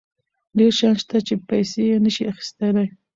ډېر شیان شته چې پیسې یې نشي اخیستلی.